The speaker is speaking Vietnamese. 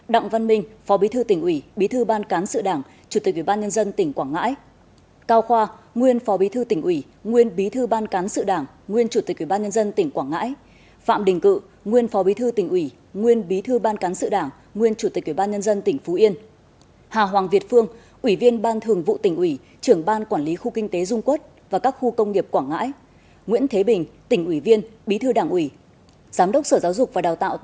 đặng văn minh phó bí thư tỉnh ủy bí thư ban cán sự đảng chủ tịch ủy ban nhân dân tỉnh quảng ngãi cao khoa nguyên phó bí thư tỉnh ủy nguyên bí thư ban cán sự đảng nguyên chủ tịch ủy ban nhân dân tỉnh quảng ngãi phạm đình cự nguyên phó bí thư tỉnh ủy nguyên bí thư ban cán sự đảng nguyên chủ tịch ủy ban nhân dân tỉnh phú yên hà hoàng việt phương ủy viên ban thường vụ tỉnh ủy trưởng ban quản lý khu kinh tế dung quốc và các khu công nghiệp